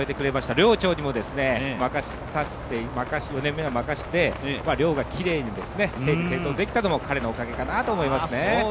寮長も４年目は任せて、寮がきれいに整理整頓できたのも彼のおかげかなと思いますね。